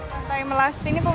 lantai melasti ini pemandangan